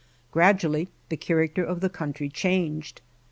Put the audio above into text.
Grad ually the character of the country changed.